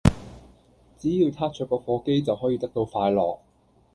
只要撻著個火機就可以得到快樂